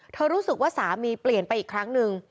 รู้สึกว่าสามีเปลี่ยนไปอีกครั้งหนึ่ง